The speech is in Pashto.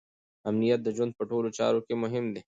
امنیت د ژوند په ټولو چارو کې مهم دی.